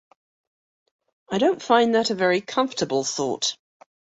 I don't find that a very comfortable thought.